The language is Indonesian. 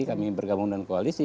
kami bergabung dengan koalisi